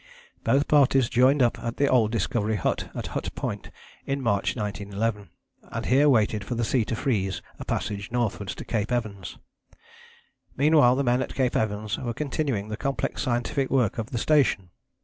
Both parties joined up at the old Discovery Hut at Hut Point in March 1911, and here waited for the sea to freeze a passage northwards to Cape Evans. Meanwhile the men left at Cape Evans were continuing the complex scientific work of the station.